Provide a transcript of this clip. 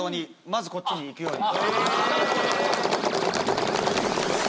まずこっちに行くように。